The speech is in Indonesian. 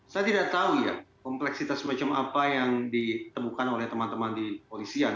saya tidak tahu ya kompleksitas macam apa yang ditemukan oleh teman teman di polisian